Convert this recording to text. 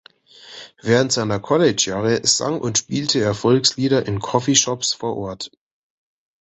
Während seiner College-Jahre sang und spielte er Volkslieder in Coffee-Shops vor Ort.